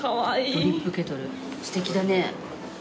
ドリップケトル素敵だね。